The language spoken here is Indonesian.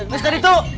terus yang itu